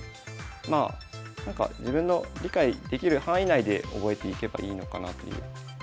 まあなんか自分の理解できる範囲内で覚えていけばいいのかなという感じはしますね。